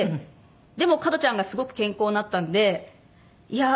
でも加トちゃんがすごく健康になったんでいや